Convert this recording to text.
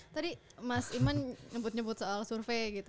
tadi mas iman nyebut nyebut soal survei gitu